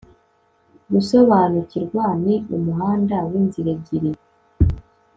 gusobanukirwa ni umuhanda w'inzira ebyiri